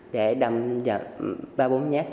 để đâm dặn ba bốn nhát